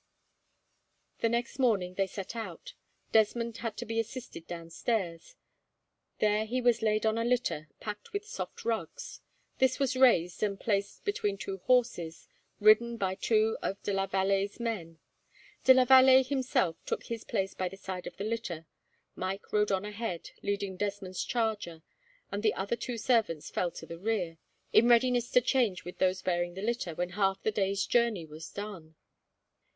The next morning they set out. Desmond had to be assisted downstairs. There he was laid on a litter, packed with soft rugs. This was raised and placed between two horses, ridden by two of de la Vallee's men. De la Vallee himself took his place by the side of the litter, Mike rode on ahead leading Desmond's charger, and the other two servants fell to the rear, in readiness to change with those bearing the litter, when half the day's journey was done.